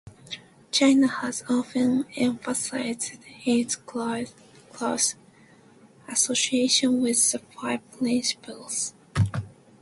China has often emphasized its close association with the Five Principles.